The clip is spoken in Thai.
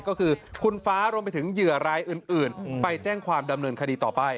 ก็คือคุณฟ้ารวมไปถึงเหยื่อรายอื่นไปแจ้งความดำเนินคดีต่อไป